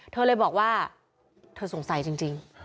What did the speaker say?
เธอเลยบอกว่าเธอสงสัยจริง